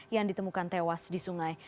yang ditemukan tewas di sungai